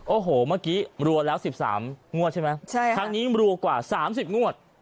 โอ้โหเมื่อกี้รวดแล้วสิบสามงวดใช่ไหมใช่ฮะครั้งนี้รวดกว่าสามสิบงวด